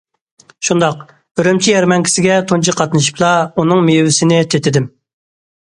— شۇنداق، ئۈرۈمچى يەرمەنكىسىگە تۇنجى قاتنىشىپلا ئۇنىڭ مېۋىسىنى تېتىدىم.